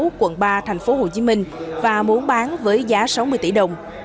này là phường võ thị sáu quận ba tp hcm và muốn bán với giá sáu mươi tỷ đồng